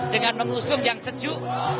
dengan musuh yang sejuk